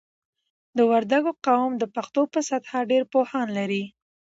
د وردګو قوم د پښتنو په سطحه ډېر پوهان لري.